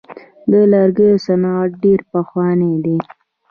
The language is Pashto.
د لرګیو صنعت ډیر پخوانی دی.